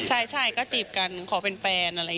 อ่าเดี๋ยวฟองดูนะครับไม่เคยพูดนะครับ